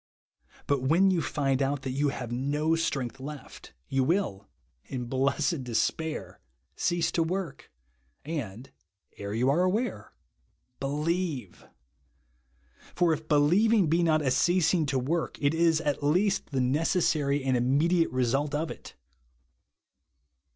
But when you find out that you have no strength left, you will, in blessed despair, cease to work, — and (ere you are aware) — believe ! For, if believing be not a ceasing to work, it is at least the necessary and immediate result of it.